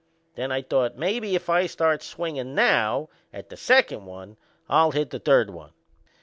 Then I thought Maybe if I start swingin' now at the second one I'll hit the third one.